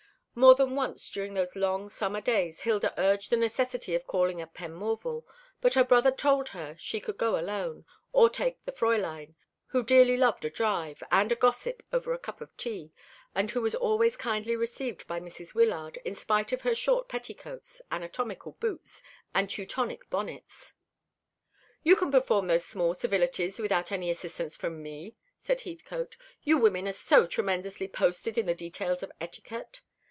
More than once during those long summer days Hilda urged the necessity of calling at Penmorval; but her brother told her she could go alone, or take the Fräulein, who dearly loved a drive, and a gossip over a cup of tea, and who was always kindly received by Mrs. Wyllard, in spite of her short petticoats, anatomical boots, and Teutonic bonnets. "You can perform those small civilities without any assistance from me," said Heathcote. "You women are so tremendously posted in the details of etiquette.